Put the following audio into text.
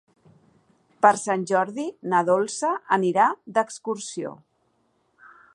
Per Sant Jordi na Dolça anirà d'excursió.